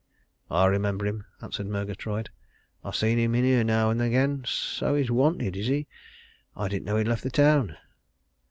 "I remember him," answered Murgatroyd. "I've seen him in here now and again. So he's wanted, is he? I didn't know he'd left the town."